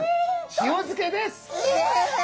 塩漬けです！